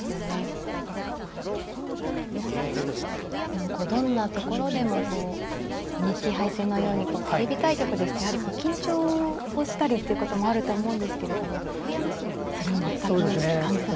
でもこうどんなところでもＮＨＫ杯戦のようにテレビ対局ですとやはりこう緊張をしたりっていうこともあると思うんですけれどもそれを全く感じさせませんね。